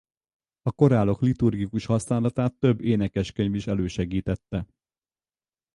A korálok liturgikus használatát több énekeskönyv is elősegítette.